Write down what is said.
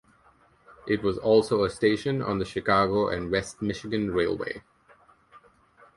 It was also a station on the Chicago and West Michigan Railway.